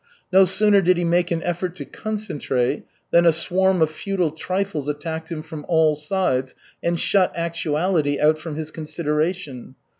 No sooner did he make an effort to concentrate than a swarm of futile trifles attacked him from all sides and shut actuality out from his consideration.